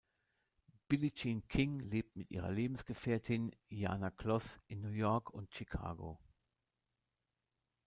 Billie Jean King lebt mit ihrer Lebensgefährtin Ilana Kloss in New York und Chicago.